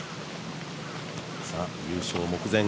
優勝目前